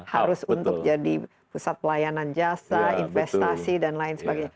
harus untuk jadi pusat pelayanan jasa investasi dan lain sebagainya